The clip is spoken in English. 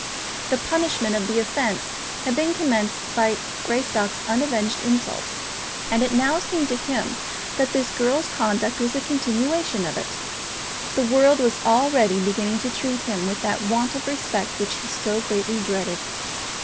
The punishment of the offence had been commenced by Greystock's unavenged insults; and it now seemed to him that this girl's conduct was a continuation of it. The world was already beginning to treat him with that want of respect which he so greatly dreaded.